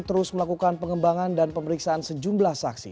terus melakukan pengembangan dan pemeriksaan sejumlah saksi